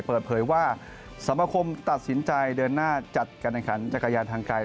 เปิดเผยว่าสมคมตัดสินใจเดินหน้าจัดการแห่งขันจักรยานทางไกล